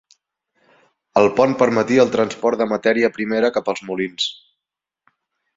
El pont permetia el transport de matèria primera cap als molins.